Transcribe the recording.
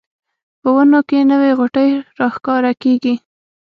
په ونو کې نوې غوټۍ راښکاره کیږي